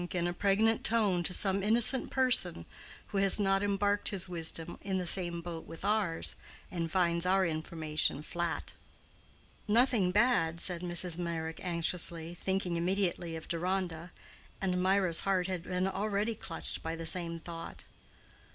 in a pregnant tone to some innocent person who has not embarked his wisdom in the same boat with ours, and finds our information flat. "Nothing bad?" said Mrs. Meyrick anxiously, thinking immediately of Deronda; and Mirah's heart had been already clutched by the same thought.